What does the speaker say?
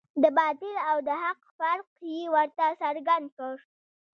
د باطل او د حق فرق یې ورته څرګند کړ.